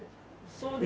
そうですね。